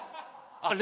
あれ？